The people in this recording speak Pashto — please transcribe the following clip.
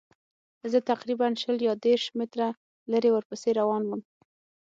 زه تقریباً شل یا دېرش متره لرې ورپسې روان وم.